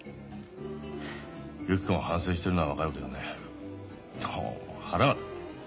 ゆき子が反省してるのは分かるけどねどうも腹が立って。